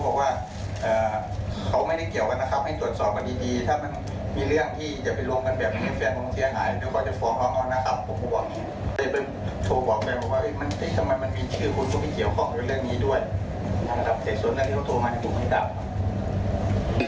ผมก็บอกว่ามันไม่จะมีชื่อคุณคุณไม่เกี่ยวข้องกับเรื่องนี้ด้วยถ้านำก็จะโฉงงานให้ผมปลดดับ